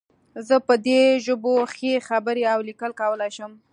زه په دې ژبو ښې خبرې او لیکل کولی شم